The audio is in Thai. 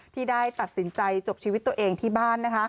ที่ได้ตัดสินใจจบชีวิตตัวเองที่บ้าน